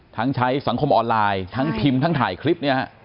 ทั้งใช้สังคมออนไลน์ทั้งพิมพ์ทั้งถ่ายคลิป